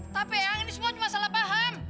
tapi yang ini semua salah paham